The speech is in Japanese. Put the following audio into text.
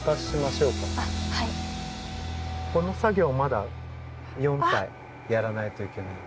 この作業まだ４体やらないといけない。